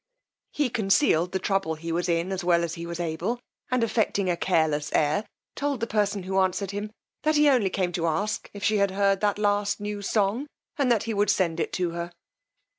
He concealed the trouble he was in as well as he was able, and affecting a careless air, told the person who answered him, that he only came to ask if she had heard the last new song, and that he would send it to her.